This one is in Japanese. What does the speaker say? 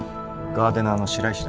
ガーデナーの白石です。